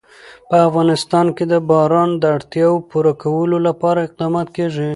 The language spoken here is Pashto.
په افغانستان کې د باران د اړتیاوو پوره کولو لپاره اقدامات کېږي.